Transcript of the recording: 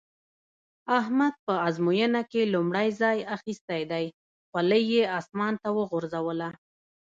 احمد په ازموينه کې لومړی ځای اخيستی دی؛ خولۍ يې اسمان ته وغورځوله.